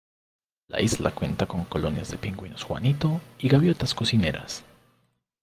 La isla cuenta con colonias de pingüinos juanito y gaviotas cocineras.